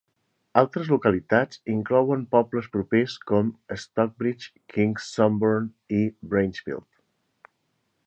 Altres localitats inclouen pobles propers com Stockbridge, King's Somborne i Braishfield